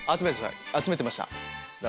集めてました。